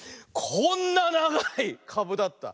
こんなながいかぶだった。ね。